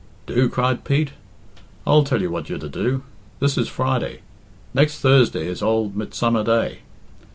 "Do?" cried Pete. "I'll tell you what you're to do. This is Friday. Next Thursday is old Midsummer Day.